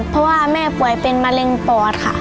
เพราะว่าแม่ป่วยเป็นมะเร็งปอดค่ะ